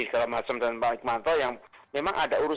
sekarang mas mbak iqmanto yang memang ada urusan